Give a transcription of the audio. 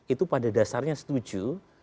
itu pada dasarnya setuju